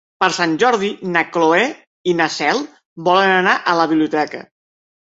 Per Sant Jordi na Cloè i na Cel volen anar a la biblioteca.